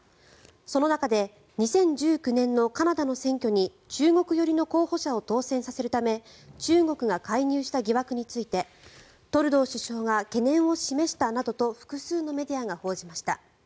その中で２０１９年のカナダの選挙に中国寄りの候補者を当選させるため中国が介入した疑惑についてトルドー首相が懸念を示したなどと複数のメディアが報じました。